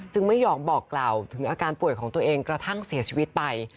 ไม่ยอมบอกกล่าวถึงอาการป่วยของตัวเองกระทั่งเสียชีวิตไป